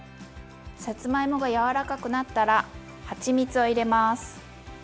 さつまいもが柔らかくなったらはちみつを入れます。